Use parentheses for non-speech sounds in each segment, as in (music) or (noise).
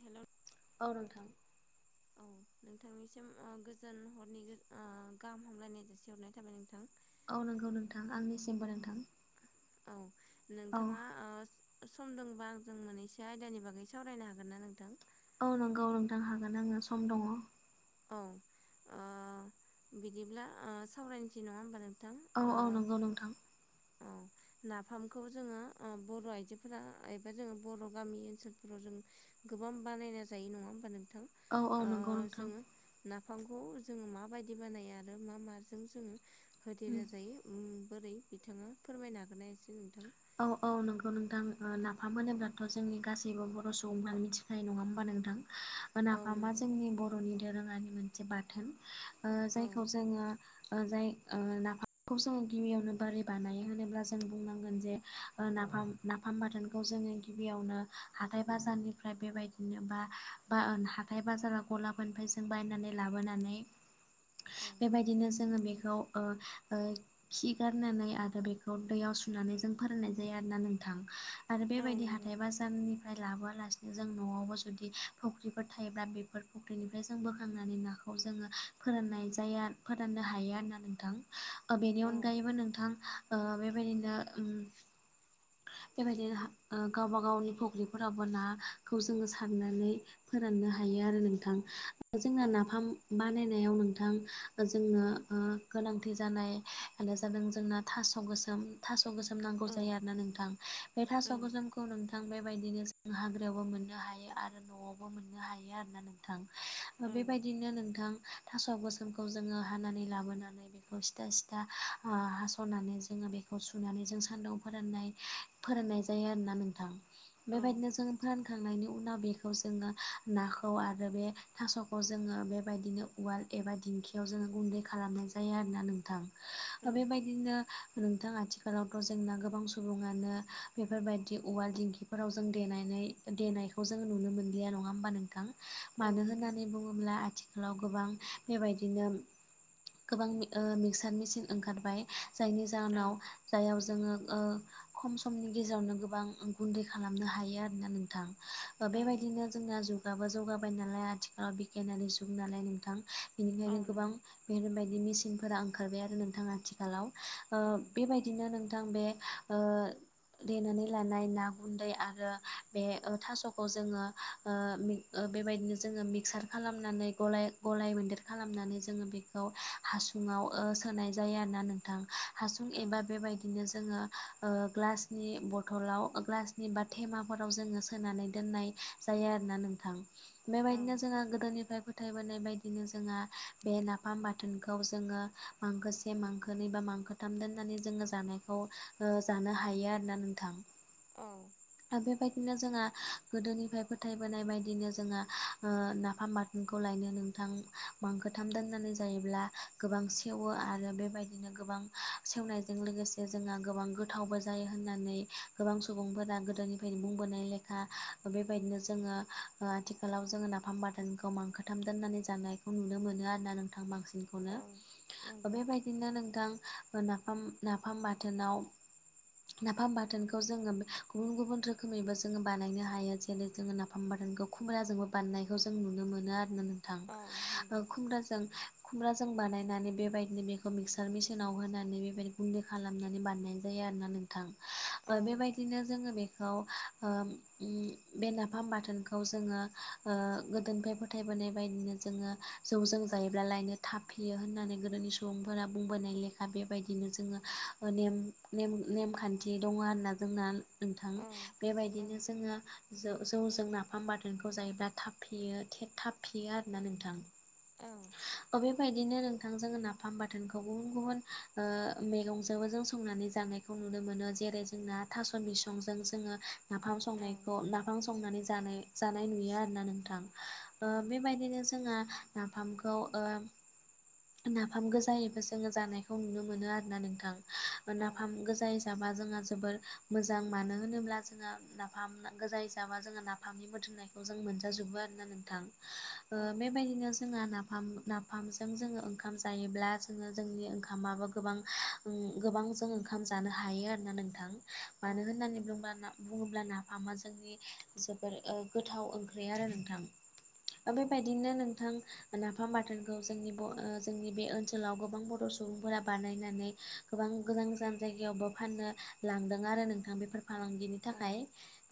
हेल' औ नोंथां। औ नोंथांनिसिम ओ गोजोन हरनि ओ गाहाम हामलायनाय जासि हरनाय थाबाय नोंथां। औ नंगौ नोंथां आंनिसिमबो नोंथां। औ औ नोंथाङा ओ सम दंबा आंजों मोननैसो आयदानि बागै सावरायनो हागोन ना नोंथां? औ नंगौ नोंथां हागोन आङो सम दङ'। औ ओ बिदिब्ला ओ सावरायनोसै नङा होमब्ला औ औ नंगौ नोंथां औ नाफामखौ जोङो ओ बर' आइजोफोरा एबा जोङो बर' गामि ओनसोलफोराव जों गोबां बानायना जायो नङा होमबा नोंथां औ औ ओ नंगौ नोंथां। जोङो नाफामखौ जोङो माबायदि बानायो आरो मा माजों जोङो होदेरना जायो उम बोरै बिथाङा फोरमायनो हागोना नोंथां औ औ नंगौ नोंथां ओ लाफा मोनोब्लाथ' जोंनि गासैबो बर' सुबुंफ्रा मिथि जाय नङा होमबा नोंथां ओ औ नाफामा नंगौ जोंनि बर'नि दोरोङारि मोनसे बाथोन। ओ औ जायखौ जोङो जाय ओ नाफामखौ जोङो गिबियावनो बोरै बानायो होनोब्ला जों बुंनांगोन जे ओ नाफाम नाफाम बाथोनखौ जोङो गिबियावनो हाथाय बाजारनिफ्राय बेबायदिनो बा बा हाथाय बाजारा गला फोरनिफायजों बायनानै लाबोनानै औ बेबायदिनो जोङो बेखौ ओ ओ खिगारनानै आरो बेखौ दैयाव सुनानै जों फोरानाय जायो आरोना नोंथां आरो औ बेबायदि नंगौ हाथाइ बा जारनिफ्राय लाबोआलासिनो जों न'आवबो जुदि फुख्रिफोर थायोब्ला बेफोर फुख्रिनिफ्राय जों बोखांनानै नाखौ खौ जोङो फोराननाय जाया फोराननो हायो आरोना नोंथां ओ बेनि औ अनगायैबो नोंथां ओ बेबायदिनो उम बेबायदिनो ओ गावबा गावनि फख्रिफोरावो नाखौ जोङो साननानै फोराननो हायो आरो नोंथां औ जोंना नाफाम बानायनायाव नोंथां जोंनो ओ गोनांथि जानायानो जादों जोंना ' थास गोस' थास गोसोम नांगौ औ जायो आरोना नोंथां बे थास' औ गोसोमखौ खौ नोंथां बेबायदिनो जों हाग्रायावबो मोननो हायो आरो न'आवबो मोननो हायो आरो ना नोंथां औ बेबायदिनो नोंथां थास' गोसोमखौ जोङो हानानै लाबोनानै बेखौ सिथा सिथा ओ हास'नानै जोङो बेखौ सुनानै जों सान्दुं फोराननाय फोरानाय जायो आरोना नोंथां बेबायदिनो जों फोरानखांनायनि उनाव बेखौ जोङो नाखौ आरो बे थास'खौ जोङो बेबायदिनो उवाल एबा दिंखियाव जोङो गुन्दै खालामनाय जायो आरोना नोंथां औ ओ बेबायदिनो नोंथां आथिखालावथ' जोंना गोबां सुबुं सुबुङानो बेफोरबायदि औवाल दिंखिफोराव जों देनानै देनाय खौ जों नुनो मोनलिया नङा होमबा नोंथां औ मानो नंगौ होन्नानै बुङोब्ला आथि खालाव गोबां बेबायदिनो गोबां ओ मिक्सार मेचिन ओंखारबाय जायनि औ जाहोनाव जाययाव जोङो ओ खम समनि गेजेरावनो गोबां गुन्दै खालामनो हायो आरोना नोंथां ओ औ बेबायदिनो जोंना जुगाबो जौगाबाय नालाय आथिखालाव बिगियानारि जुग नालाय नोंथां औ बेनिखायनो गोबां नंगौ बेफोरबायदि मेसिनफोरा ओंखारबाय आरो नोंथाङा आथिखालाव ओ औ बेबायदि बिदिनो नोंथां बे ओ देनानै लानाय ना गुन्दै आरो बे ओ थास'खौ जोङो बेबायदिनो जोङो मिक्सार खालामनानै गलाय गलाय मेदेर खालामनानै जोङो बे खौ हासुङाव ओ सोनाय जायो आरोना नों थां हासुं एबा बेबायदिनो जोङो ओ ग्लासनि बथलाव ग्लासनि बा थेमाफोराव जोङो सोनानै दोननाय जायो आरोना नोंथां बेबायदिनो औ जोंहा गोदोनिफ्राय फोथायबोनाय बायदिनो जोंहा बे नाफाम बाथोनखौ जोङो मांखोसे मांखोनै थाम दोननानै जोङो जानायखौ ओ जानो हायो आरोना नोंथां औ आरो बेबायदिनो जोंहा गोदोनिफ्राय फोथायबोनाय बायदिनो जोंहा ओ नाफामाथ बे खौ लायनो नोंथां मांखोथाम दोननानै जायोब्ला गोबां सेवो आरो बेबायदिनो गोबां सेवनायजों लोगोसे जोंहा गोबां गोथावबो जायो होननानै गोबां सुबुंफोरा गोदोनिफ्रायनो बुंबोनाय लेखा बेबायदिनो जोङो ओ आथिखालाव जोङो नाफाम बादानखौ मांखोथाम दोननानै जानाय खौ नुनो मोनो आरो ना नोंथां बांसिनखौनो औ नंगौ बेबायदिनो नोंथां नाफाम नाफाम बाथोनाव नाफाम बाथोनखौ जोङो गुबुन गुबुन रोखोमैबो जोङो बानायनो हायो जेरै जोङो नाफाम (unintelligible) खुमब्राजोंबो बारनायखौ जों नुनो मोनो आरोना औ नंगौ नोंथां खुमब्राजों खुमब्राजों बानायनानै बेबायदिनो बेखौ मिक्सार मेसििनाव होनानै बेबायदि गुन्दै खालामनानै बानायनायायो जायो आरोना नोंथां औ बेबायदिनो जोङो बेखौ बे नाफाम बाथोनखौ जोङो ओ गोदोनिफ्राय फोथायबोनाय बायदिनो जोङो जौजोंों जायोब्ला लायनो थाफैयो होननानै गोदोनि सुबुंफोरा बुंबोनाय लेखा बेबायदिनो जोङो ने नेमखान्थि दङ होनना जोंना नोंथां औ बेबायदिनो जोङो ज जौजों नाफाम बाथोनखौ जायोब्ला थाब फियो थाब फियो आरोोना नोंथां औ बेबायदिनो नोंथांजों नाफाम बाथोनखौ गुबुन गुबुन मैगंजो जों संनानै जानाय नुनो मोनो जेरै जोंना थास' बिसंजों जोङो नाफाम औ संनायखौ न बिाफां संनानै जानाय जानाय नुयो आरोोना नोंथां बेबायदिनो जोंहा न नाफामखौ नाफाम गोजायैबो जोङो जानायखौ नुनो मोनो आरोना नोंथां। नाफाम गोजाय हिसाबा जोङो जोबोर मोजां मानो होनोब्ला जोङो नाफाम गोजा हिसाबा जोङो नाफामनि मोदोमनाय जों मोनजाजोबो आरोना नोंथां, बेबायदिनो जोंहा नाफाम नाफामजों जोङो ओंखाम जायोब्ला जोङो जोंनि ओंखामाबो गोबां गोबां जों ओंखाम जानो हायो आरोोना नोंथां मानो होननानै बुंबा ना बुङोब्ला नाफामा जोंनि जोबोर गोथाव ओंख्रि आरो नोंथां। बेबायदिनो नोंथां। नाफाम बाथोनखौ जोंनि जोंनि बे ओनसोलाव गोबां बर' सुबुंफोरा बानायनानै गोबां गोजान गोजान जायगायावबो फाननो लांदों आरो नोंथां बेफोर फालांगिनि थाखाय।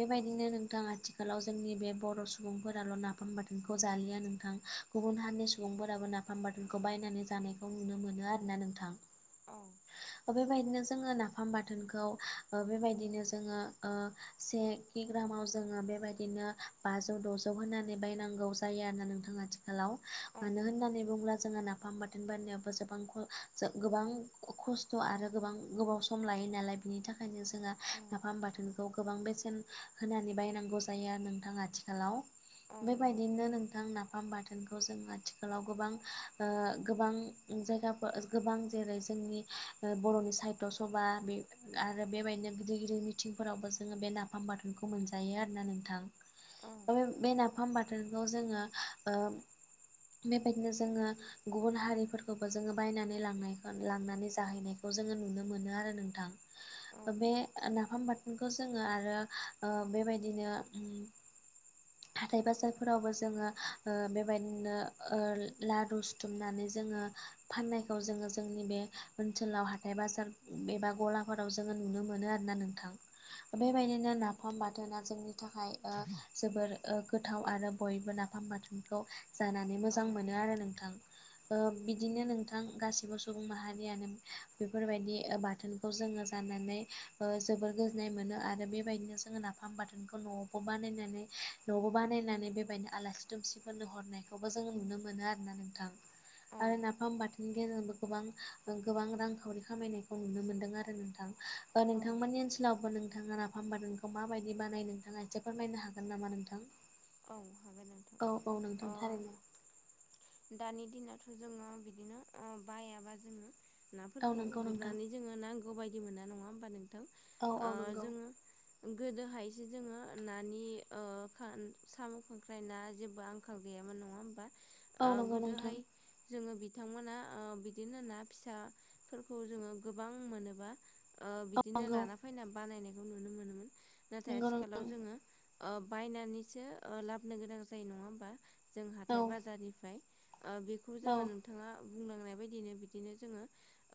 बेबायदिनो नोंथां आथिखालाव जोंनि बे बर' सुबुंफोराल' नाफाम बाथोनखौ जालिया नोंथां। गुबुन हारिनि सुबुंफोराबो नाफाम बाराथोनखौ बायनानै जानायखौ नुनो मोनो आरोना नोंथां। औ। बेबायदिनो जोङो नाफाम बाथोनखौ बेबायदिनो जोङो से किग्रामाव जोङो बेबायदिनो बाजौ द'जौ होनानै बायनांगौ जायो आरोना नोंथाङा थि हेलौ औ मानो नंगौ होननानै बुङोब्ला जोङहा ना ओंफाम बाथोन बारनायावबो गोबां गोबां खस्थ' आरो गोबां गोबाव सम लायो नालाय। बिनि थाखायनो जोंहा औ नाफाम बाथोनखौ गोबां बेसेन होनानै बायनांगौ जायो आरो नोंथाङाथिखाल ालाव औ नंगौ बेबायदिनो नोंथां नाफाम बाथौ जों आथिखालाव गोबां गोबां जायगाफोर गोबां जेरै जोंनि बर'नि साहित्य सभा बे आरो बेबायदिनो गिदिर गिदिर मिथिंफोरावबो जोङो बे नाफाम बाथोनखौ मोनजायो आरोना नोंथां। औ ओ बे नाफाम बाथोनखौ जोङो बेबायदिनो जोङो गुबुन हारिफोरखौबो जोङो बायनानै लांनायखौ लांनानै जाहैनायखौ जोङो नुनो मोनो आरो नोंथां। बे नाफाम बाथोनखौ जोङो आरो बेबायदिनो हाथाय बाजारफोरावबो जोङो बेबायदिनो लारु सुथुमनानै जोङो फाननायखौ जोङो जोंनि बे ओनसोलाव हाथाय बाजार एबा गलाफोराव जोङो नुनो मोनो आरो ना नोंथां। बेबायदिनो नाफाम बाथोना जोंनि थाखाय जोबोर गोथाव आरो बयबो नाफाम बाथोनखौ जानानै औ मोजां मोनो आरो नोंथां। बिदिनो नोंथां गासिबो सुबुं माहारियानो बेफोरबायदि बाथोन खौ जोङो जानानै जोबोर गोजोन्नाय मोनो आरो बेबायदिनो जोङो नाफाम बाथोनखौ न'आव खबानो न ने न'आव बानायनानै बेबायदिनो आलासि दुमसिफोरनो हरनायखौबो जोङो नुनो मोनो आरो ना नोंथां। आरो नाफाम बाथो नि गेजेरजोंबो गोबां गोबां रांखावरि खामायनायखौ नुनो मोनदों आरो नोंथां। नोंथांमोननि ओनसोलावबो नोंथाङा नाफाम बानायनायखौ माबायदि बानायो नोंथाङा एसे फोरमायनो हागोन नामा नोंथां औ हागोन नों औ औ नोंथां थारैनो दानि दिनाावथ' जोङो बिदिनो बायाबा जोङो औ नाफोरखौ नंगौ नोंथां गुरनानै जोङो नांगौ बायदि मोना नङा होमबा नोंथां औ औ नंगौ जोङो गोदोहायसो जोङो नानि साम' खांख्रायना जेबो आंखाल गैयामोन नङा होमबा? औ नंगौ नोंथां गोदोहाय जोङो बिथांमोना बिदिनो ना फिसाफोरखौ जोङो गोबां मोनोबा। औ बिदिनो नंगौ लाना फैना बानायनायखौ नुनो मोनोमोन, नाथाय नंगौ नोंथां आथिखालाव जोङो ओ बायनानैसो लाबोन गोनां जायो नङा होमबा जों औ हाथाय बाजारनिफ्राय। ओ बेखौ औ जोङो नंगौ नोंथाङा बुंनांनाय बायदिनो बिदिनो जोङो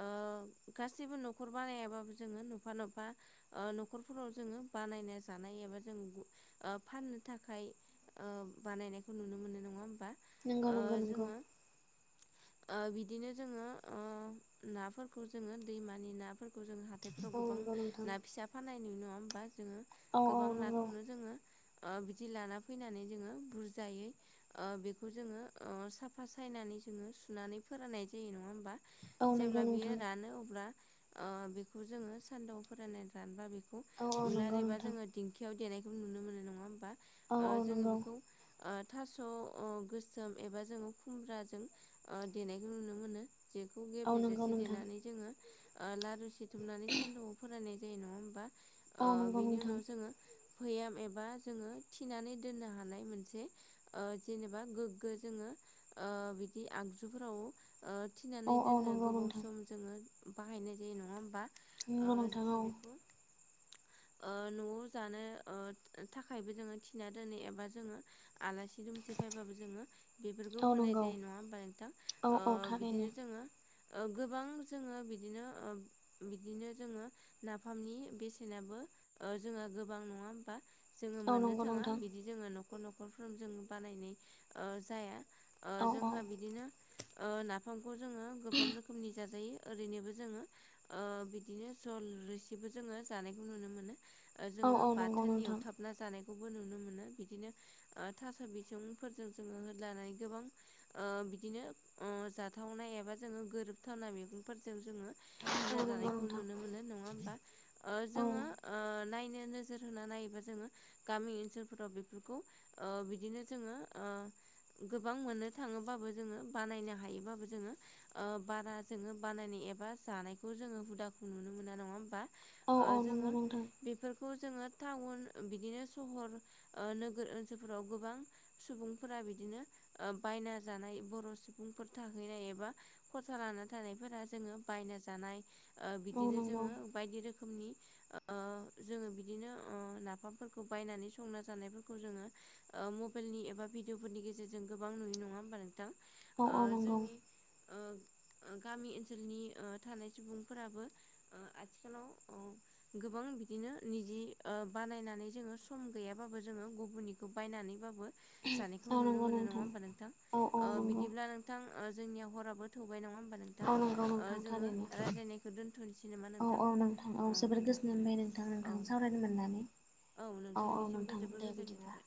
ओ गासैबो न'खर बानायाबाबो जोङो नफा नफा ओ न'खरफोराव जोङो बानायना जानाय एबा जों ओ फान थाखाय ओ बानायनायखौ नुनो मोनो नङा होमबा नंगौ ओ नंगौ जोङो ओ बिदिनो जोङो नाफोरखौ जोङो दैमानि नाफोरखौ खौ जों हाथायफोराव औ गोबां नंगौ ना नोंथां फिसा फाननाय नुयो नङा होमबा जोङो औ औ गोबां नंगौ नाखौनो जोङो ओ बिदि लाना फैनानै जोङो बुरजायै ओ बेखौ जोङो साफा सायनानै जोङो सुनानै फोराननाय जायो नङा होमबा औ नंगौ जेब्ला नोंथां बियो रानो अब्ला ओ बेखौ जोङो सानदुंआव फोराननानै रानबा बे औ औ उलार नंगौ एबा नोंथां जोङो दिंखियाव देनायखौ नुनो मोनो नंआ होनबा औ औ जोंङो नंगौ बेखौ ओ थास' गोसोम एबा जोङो खुमब्राजों देनायखौ नुनो मोनो बेखौ औ नंगौ गेब्लेजासे नोंथां देनानै जोङो ओ लारु सिथुमनानै सानदुंआव फरायनाय जायो नङा होमबा औ ओ नंगौ बेनि नोंथां उनाव जोङो भयाम एबा जोङो थिनानै दोननो हानाय मोनसे ओ जेनेबा गोग्गो जोङो ओ बिदि आगजुफोराव ओ औ थिनानै औ दोननो नंगौ गोबाव नोंथां सम जोङो बाहायनाय जायो नङा होमबा ओ नंगौ नोंथां जोङो बेखौ ओ न'आव जानो थाखायबो जोङो थिना दोनो एबा जोङो आलासि दुमसि फैबाबो जोङो बेफोरखौ औ होनाय नंगौ जायो नङा होमबा नोंथां औ ओ औ थारैनो बिदिनो जोङो ओ गोबां जोङो बिदिनो बिदिनो जोङो नाफामनि बेसेनाबो ओ जोंहा गोबां नङा होमबा जोङो औ मोननो नंगौ थाङा नोंथां बिदि जोङो न'खर न'खरफोर जों बानायनाय ओ जाया ओ औ औ जोंहा बिदिनो ओ नाफामखौ जोङो गोबां रोखोमनि जाजायो ओरैनोबो जोङो ओ बिदिनो जल रोसिबो जोङो जानायखौ नुनो मोनो। औ जोङो औ नंगौ बाथोन नोंथां एवथाब ना जानायखौबो नुनो मोनो बिदिनो ओ थास' बिसंफोरजों जोङो होद्लानानै गोबां ओ बिदिनो ओ जाथावनाय एबा जोङो गोरोबथावनाय मैगंफोरजों जोङो औ नंगौ होनाजानायखौ नोंथां नुनो मोनो नङा होमबा ओ औ जोङो ओ नायनो नोजोर होना नायोबा जोङो गामि ओनसोलफोराव बेफोरखौ ओ बिदिनो जोङो ओ गोबां मोननो थाङोबाबो जोङो बानायनो हायोबाबो जोङो ओ बारा जोङो बानायनाय एबा जानायखौ जोङो हुदाखौ नुनो मोना नङा होमबा औ ओ औ नंगौ जोङो नोंथां बेफोरखौ जोङो टाउन बिदिनो सहर ओ नोगोर ओनसोलफोराव गोबां सुबुंफोरा बिदिनो बायना जानाय बर' सुबुंफोर थाहैनाय एबा खरसा लाना थानायफोरा जोङो बायना जानाय ओ औ बिदिनो नंगौ जोङो बायदि रोखोमनि ओ जोङो बिदिनो नाफामफोरखौ बायनानै संना जानायफोरखौ जोङो मबाइलनि एबा भिडिअफोरनि गेजेरजों गोबां नुयो नङा होमबा नोंथां औ ओ औ नंगौ जोंनि ओ ओ गामि ओनसोलनि ओ थानाय सुबुंफोराबो, ओ आथिखालाव अ गोबां बिदिनो निजि ओ बानायनानै जोङो सम गैयाबाबो जोङो गुबुननिखौ बायनानैबाबो जानायखौ औ नुनो नंगौ मोनो नङा होमबा नोंथां। औ औ ओ नंगौ बिदिब्ला नोंथ थां ओ जोंनिया हराबो थौबाय नङा होमब्ला नों थां औ नंगौ ओ नोंथां जोङो थारैनो रायज्लायनायखौ दोन्थ'नोसै नामा औ नोंथां औ औ जोबोर दे बिदिल्बा। गोजोननाय मोनबाय नोंथां औ नोंथां सावरायनो मोननानै औ औ नोंथांनिसिमबो नोंथां जोबोर दे गोजोननाय बिदिब्ला थाबाय।